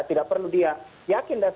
tidak perlu dia yakin